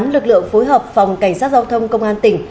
tám lực lượng phối hợp phòng cảnh sát giao thông công an tỉnh